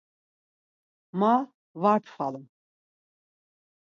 Ma var pxvalum.